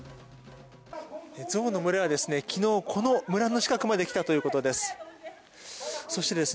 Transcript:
ゾウの群れは昨日、この村の近くまで来たということです。